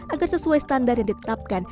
agar sesuai standar yang ditetapkan